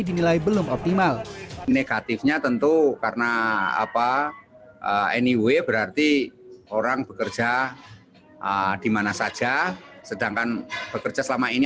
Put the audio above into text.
dinilai belum optimal negatifnya tentu karena apa anyway berarti orang bekerja di mana saja sedangkan